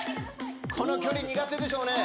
この距離苦手でしょうね。